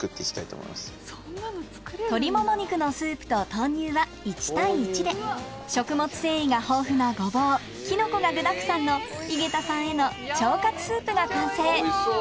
鶏もも肉のスープと豆乳は１：１で食物繊維が豊富なごぼうキノコが具だくさんの井桁さんへの腸活スープが完成